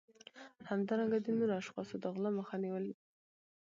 همدارنګه د نورو اشخاصو د غلا مخه نیول